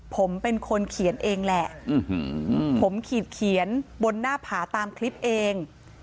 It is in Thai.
ผมเป็นคนเขียนเองแหละผมขีดเขียนบนหน้าผาตามคลิปเอง